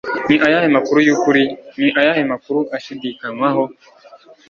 ni ayahe makuru yukuri, ni ayahe makuru ashidikanywaho